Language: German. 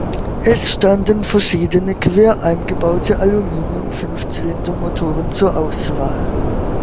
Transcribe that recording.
Es standen verschiedene quer eingebaute Aluminium-Fünfzylinder-Motoren zur Auswahl.